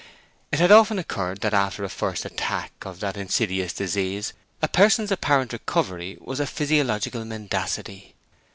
It had often occurred that after a first attack of that insidious disease a person's apparent recovery was a physiological mendacity.